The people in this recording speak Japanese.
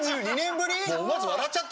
もう思わず笑っちゃったわよ